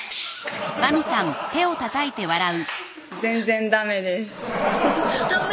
全然ダメですダメ？